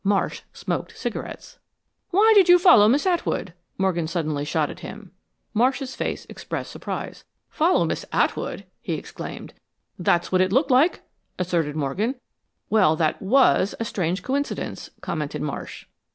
Marsh smoked cigarettes! "Why did you follow Miss Atwood?" Morgan suddenly shot at him. Marsh's face expressed surprise. "Follow Miss Atwood!" he exclaimed. "That's what it looked like," asserted Morgan. "Well, that WAS a strange coincidence," commented Marsh.